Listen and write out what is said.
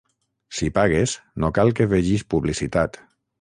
Si pagues, no cal que vegis publicitat